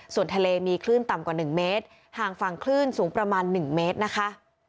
ส่วนทะเลมีคลื่นต่ำกว่า๑เมตรห่างฝั่งคลื่นสูงประมาณ๑เมตรนะคะ